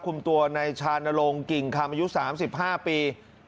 คุมตัวในชานลงกิ่งคำอายุ๓๕ปี